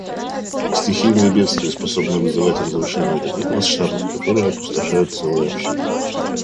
Стихийные бедствия способны вызывать разрушения таких масштабов, которые опустошают целые общины.